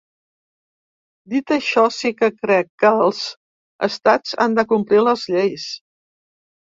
Dit això, sí que crec que els estats han de complir les lleis.